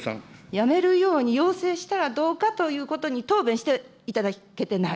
やめるように要請したらどうかということに答弁していただけてない。